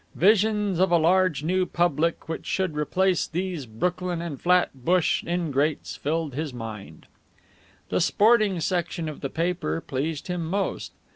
Visions of a large new public which should replace these Brooklyn and Flatbush ingrates filled his mind. The sporting section of the paper pleased him most.